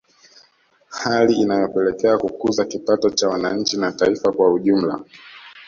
Hali inayopelekea kukuza kipato cha wananchi na taifa kwa ujumla